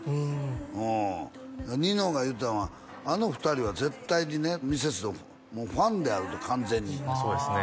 うんニノが言うてたんはあの２人は絶対にねミセスのファンであると完全にそうですね